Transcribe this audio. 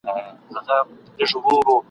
درزهار وو د توپکو د توپونو ..